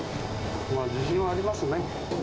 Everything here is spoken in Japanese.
まあ、自信はありますね。